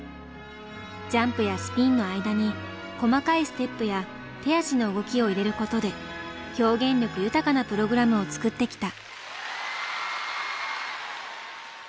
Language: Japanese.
ジャンプやスピンの間に細かいステップや手足の動きを入れることで表現力豊かなプログラムを作ってきた。